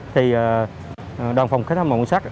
thì đoàn phòng khách hàng màu nguyên sắc